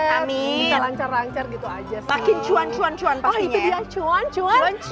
amin lancar lancar gitu aja cuman cuman cuman cuman gimana banyak hal menarik kan di sini yang pasti